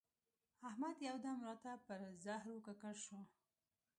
احمد یو دم راته پر زهرو ککړ شو.